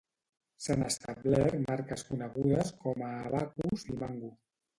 S'han establert marques conegudes com a Abacus i Mango.